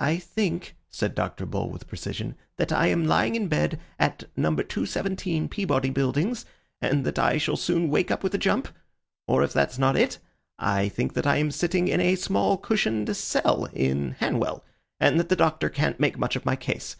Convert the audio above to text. "I think," said Dr. Bull with precision, "that I am lying in bed at No. 217 Peabody Buildings, and that I shall soon wake up with a jump; or, if that's not it, I think that I am sitting in a small cushioned cell in Hanwell, and that the doctor can't make much of my case.